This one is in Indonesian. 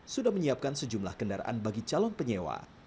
sudah menyiapkan sejumlah kendaraan bagi calon penyewa